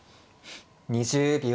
２０秒。